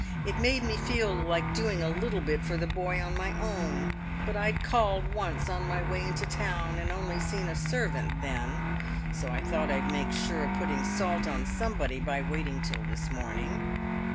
It made me feel like doing a little bit for the boy on my own; but I'd called once on my way into town, and only seen a servant then, so I thought I'd make sure of putting salt on somebody by waiting till this morning."